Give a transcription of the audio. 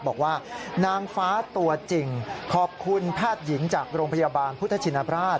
บอกว่านางฟ้าตัวจริงขอบคุณแพทย์หญิงจากโรงพยาบาลพุทธชินราช